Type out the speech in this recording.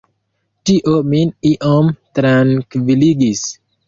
Tio min iom trankviligis.